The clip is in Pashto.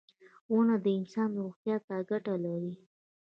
• ونه د انسان روغتیا ته ګټه لري.